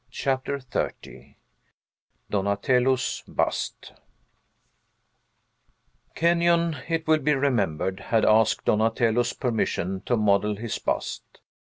CHAPTER XXX DONATELLO'S BUST Kenyon, it will be remembered, had asked Donatello's permission to model his bust.